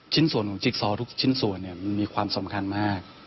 ชิ้นส่วนของจิ๊กซอทุกชิ้นส่วนมันมีความสำคัญมาก